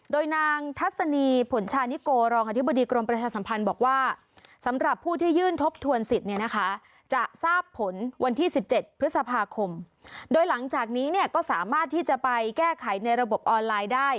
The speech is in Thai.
โดยนางทัศนีผลชานิโกรองอธิบดีกรมประชาสัมพันธ์บอกว่า